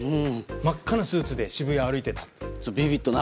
真っ赤なスーツで渋谷を歩いていた。